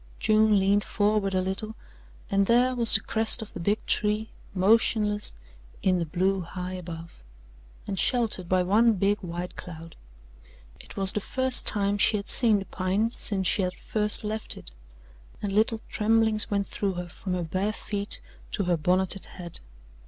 June leaned forward a little, and there was the crest of the big tree motionless in the blue high above, and sheltered by one big white cloud. It was the first time she had seen the pine since she had first left it, and little tremblings went through her from her bare feet to her bonneted head.